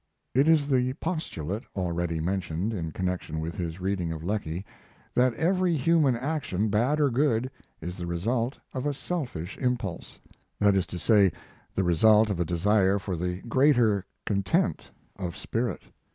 It is the postulate already mentioned in connection with his reading of Lecky, that every human action, bad or good, is the result of a selfish impulse; that is to say, the result of a desire for the greater content of spirit.